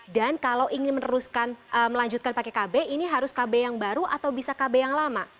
dan kalau ingin melanjutkan pakai kb ini harus kb yang baru atau bisa kb yang lama